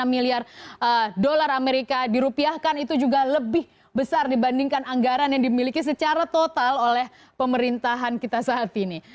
lima miliar dolar amerika dirupiahkan itu juga lebih besar dibandingkan anggaran yang dimiliki secara total oleh pemerintahan kita saat ini